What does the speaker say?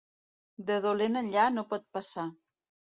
De dolent enllà no pot passar.